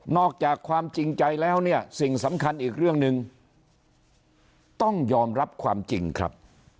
อกจากความจริงใจแล้วเนี่ยสิ่งสำคัญอีกเรื่องหนึ่งต้องยอมรับความจริงครับ